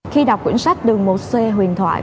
khi đọc quyển sách đường một c huyền thoại